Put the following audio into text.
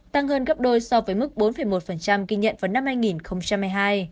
tăng hơn gấp đôi so với mức bốn một kinh nhận vào năm hai nghìn một mươi hai